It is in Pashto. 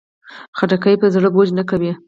خټکی پر زړه بوج نه کوي.